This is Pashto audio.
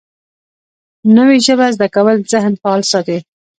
نوې ژبه زده کول ذهن فعال ساتي